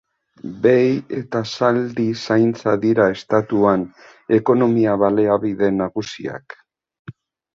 Behi eta zaldi zaintza dira estatuan ekonomia baliabide nagusiak.